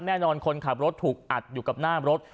แน่นอนคนขับรถถูกอัดอยู่กับหน้ารถ